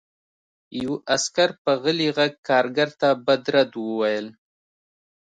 یوه عسکر په غلي غږ کارګر ته بد رد وویل